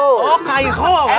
oh kairu apa